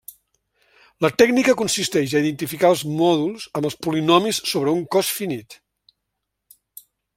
La tècnica consisteix a identificar els mòduls amb els polinomis sobre un cos finit.